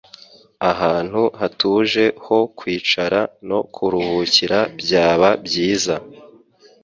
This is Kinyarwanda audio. Ahantu hatuje ho kwicara no kuruhukira byaba byiza.